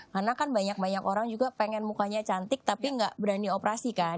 karena kan banyak banyak orang juga pengen mukanya cantik tapi nggak berani operasi kan